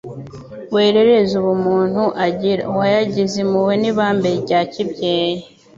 werereza ubumuntu agira, uhayagiza impuhwe n'ibambe rya kibyeyi